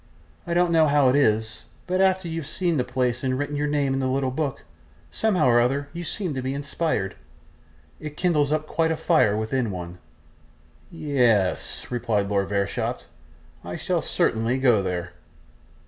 'I don't know how it is, but after you've seen the place and written your name in the little book, somehow or other you seem to be inspired; it kindles up quite a fire within one.' 'Ye es!' replied Lord Verisopht, 'I shall certainly go there.